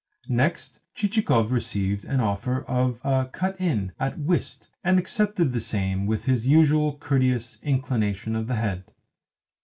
Next, Chichikov received an offer of a "cut in" at whist, and accepted the same with his usual courteous inclination of the head.